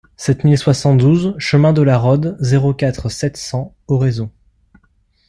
sept mille soixante-douze chemin de la Rhôde, zéro quatre, sept cents, Oraison